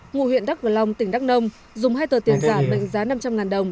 ngụ huyện đắk cờ long tỉnh đắk nông dùng hai tờ tiền giả mệnh giá năm trăm linh đồng